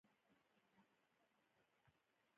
پټو سترګو پردیو پسې تګ نه دی.